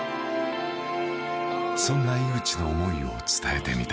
そんな井口の思いを伝えてみた。